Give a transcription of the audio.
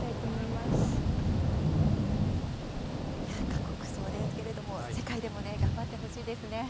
過酷そうですけれども、世界でも頑張ってほしいですね。